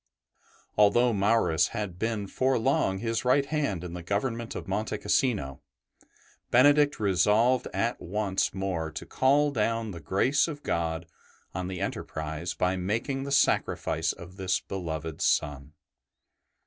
Although Maurus had been for long his right ST. BENEDICT 95 hand in the government of Monte Cassino, Benedict resolved once more to call down the grace of God on the enterprise by making the sacrifice of this beloved son.